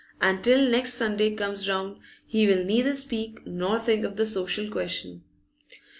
And till next Sunday comes round he will neither speak nor think of the social question.